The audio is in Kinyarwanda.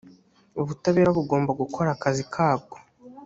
ubutabera bugomba gukora akazi kabwo